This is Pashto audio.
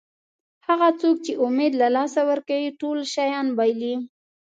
هغه څوک چې امید له لاسه ورکوي ټول شیان بایلي.